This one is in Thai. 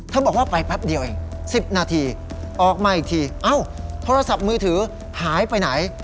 บอกว่าไปแป๊บเดียวเอง๑๐นาทีออกมาอีกทีเอ้าโทรศัพท์มือถือหายไปไหน